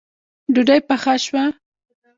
ډوډۍ پخه شوه